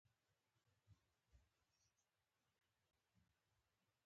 د افسانو لیکلو کې لاسونه خلاص وي.